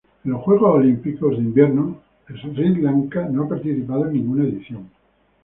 En los Juegos Olímpicos de Invierno Sri Lanka no ha participado en ninguna edición.